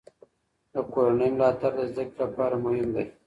د کورنۍ ملاتړ د زده کړې لپاره مهم دی.